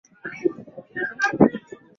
wakati inakaribia pwani ya bahari Waturuki wa